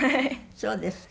そうですか。